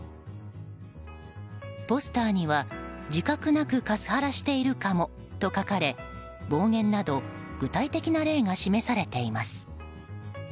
ポスターには、自覚なくカスハラしているかも？と書かれ暴言など具体的な例が示されています。